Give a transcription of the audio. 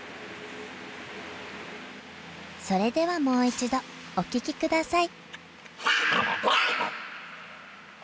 それではもう一度お聞きください。